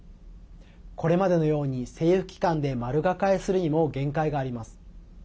これまでのように政府機関で丸抱えするにも限界があります。